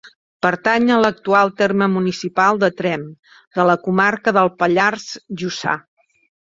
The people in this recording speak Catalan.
Pertany a l'actual terme municipal de Tremp, de la comarca del Pallars Jussà.